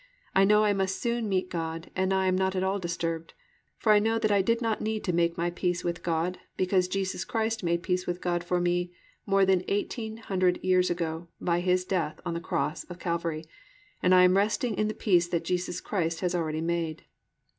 I know I must soon meet God, and I am not at all disturbed, for I know that I did not need to make my peace with God, because Jesus Christ made peace with God for me more than eighteen hundred years ago by His death on the cross of Calvary, and I am resting in the peace that Jesus Christ has already made."